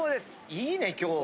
いいね今日は。